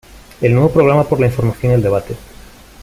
El nuevo programa por la información y el debate.